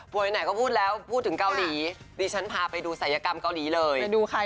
ผู้ไหนก็พูดแล้วพูดถึงเกาหลีดิฉันพาไปดูศัยกรรมเกาหลีเลยไปดูใครอ่ะ